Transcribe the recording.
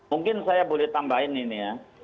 mungkin saya boleh tambahin ini ya